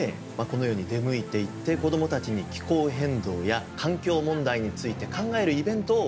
このように出向いていって子どもたちに気候変動や環境問題について考えるイベントを行っています。